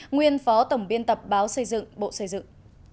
nguyên phó tổng biên tập báo xây dựng bộ xây dựng